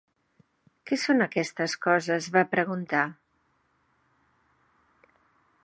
"Què són aquestes coses?" va preguntar.